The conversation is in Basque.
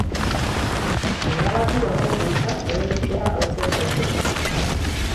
Erabaki horren kontra helegitea aurkez daiteke.